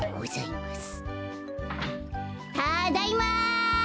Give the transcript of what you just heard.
たっだいま。